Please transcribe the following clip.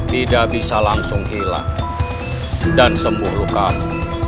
tidak bisa langsung hilang dan sembuh lukas